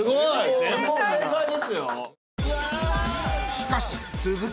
しかし続く